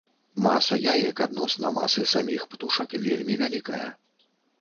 Маса яек адносна масы саміх птушак вельмі вялікая.